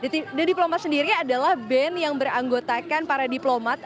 the diplomat sendiri adalah band yang beranggotakan para diplomat